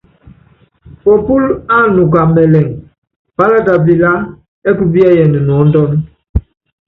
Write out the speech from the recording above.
Pɔpúl ánuka mɛlɛŋ, pálata pilaá ɛ́ kupíɛ́yɛn nuɔ́ndɔ́n.